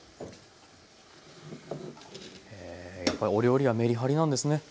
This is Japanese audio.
へえやっぱりお料理はめりはりなんですね。